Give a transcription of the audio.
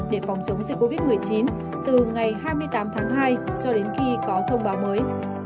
để phòng chống dịch covid một mươi chín từ ngày hai mươi tám tháng hai cho đến khi có thông báo mới